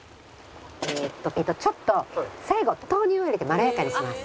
ちょっと最後豆乳を入れてまろやかにします。